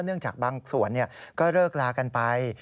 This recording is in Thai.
จากบางส่วนก็เลิกลากันไป